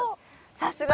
さすが。